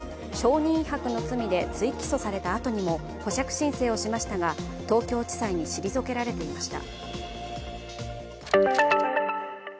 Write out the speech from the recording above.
ガーシー被告側は、先月証人威迫の罪で追起訴されたあとにも保釈申請をしましたが東京地裁に退けられていました。